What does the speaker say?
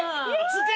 つけ！？